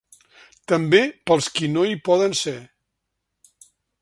També pels qui no hi poden ser.